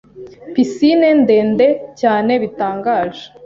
Piscine ndende cyane bitangaje